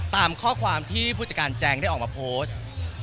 ตามข้อความที่ผู้จัดการแจงได้ออกมาโพสต์